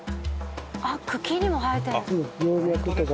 あっ茎にも生えてる。